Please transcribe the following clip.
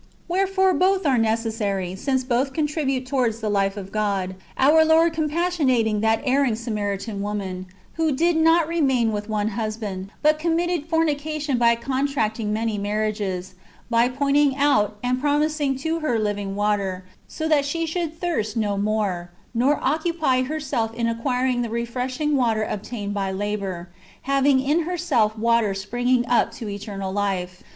Wherefore both are necessary, since both contribute towards the life of God, our Lord compas sionatincr that errino; Samaritan woman ^— who did not remain with one husband, but committed fornication by [contract ing] many marriages — by pointing out, and promising to her living water, so that she should thirst no more, nor occupy herself in acquiring the refreshing water obtained by" labour, having in herself water springing up to eternal life.